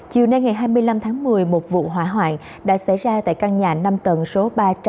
chiều nay ngày hai mươi năm tháng một mươi một vụ hỏa hoạn đã xảy ra tại căn nhà năm tầng số ba trăm một mươi